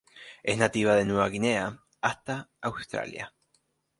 Es nativa de Nueva Guinea hasta Australia.